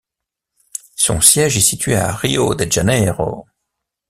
Son siège est situé à Rio de Janeiro.